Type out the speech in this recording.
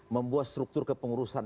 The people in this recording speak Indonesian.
membuat struktur kepengurusan